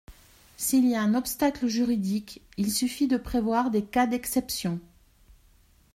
S’il y a un obstacle juridique, il suffit de prévoir des cas d’exception.